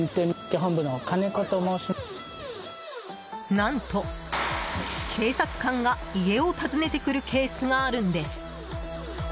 何と警察官が家を訪ねてくるケースがあるんです。